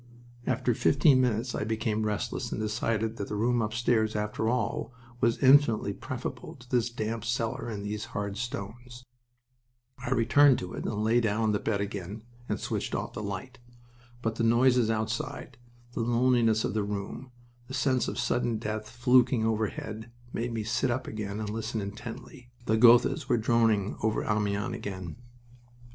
After fifteen minutes I became restless, and decided that the room upstairs, after all, was infinitely preferable to this damp cellar and these hard stones. I returned to it and lay down on the bed again and switched off the light. But the noises outside, the loneliness of the room, the sense of sudden death fluking overhead, made me sit up again and listen intently. The Gothas were droning over Amiens again.